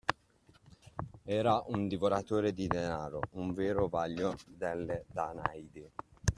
Era un divoratore di danaro, un vero vaglio delle Danaidi.